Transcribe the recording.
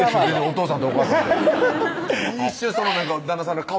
「お父さんとお母さんが」